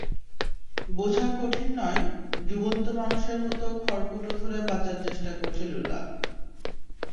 বোঝা কঠিন নয়, ডুবন্ত মানুষের মতো খড়কুটো ধরে বাঁচার চেষ্টা করছেন লুলা।